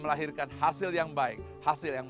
melahirkan hasil yang baik hasil yang